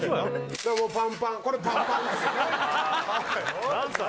パンパンこれパンパンですよ何歳？